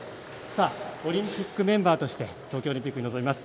オリンピックメンバーとして東京オリンピックに臨みます。